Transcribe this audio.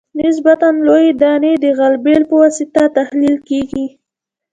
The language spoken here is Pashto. نسبتاً لویې دانې د غلبیل په واسطه تحلیل کیږي